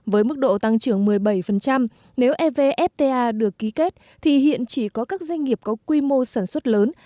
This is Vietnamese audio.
với mức độ tăng trưởng một mươi bảy nếu evfta được ký kết thì hiện chỉ có các doanh nghiệp có quy mô sản xuất lớn